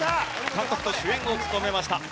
監督と主演を務めました。